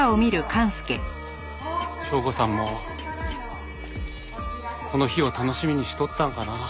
省吾さんもこの日を楽しみにしとったんかなあ。